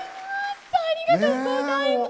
ありがとうございます！